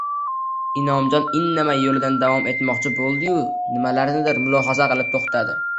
Inomjon indamay yo`lida davom etmoqchi bo`ldi-yu, nimalarnidir mulohaza qilib, to`xtadi